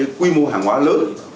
với một quy mô hàng hóa lớn